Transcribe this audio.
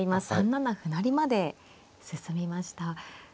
３七歩成まで進みました。